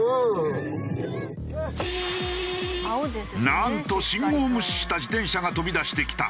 なんと信号無視した自転車が飛び出してきた！